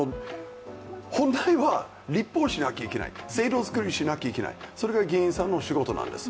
本来は立法しなきゃいけない、制度作りしなきゃいけない、それが議員さんのお仕事なんです。